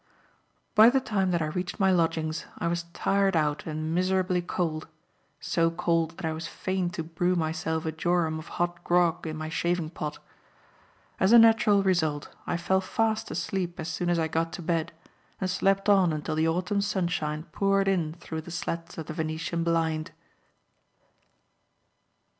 By the time that I reached my lodgings I was tired out and miserably cold; so cold that I was fain to brew myself a jorum of hot grog in my shaving pot. As a natural result, I fell fast asleep as soon as I got to bed and slept on until the autumn sunshine poured in through the slats of the Venetian blind.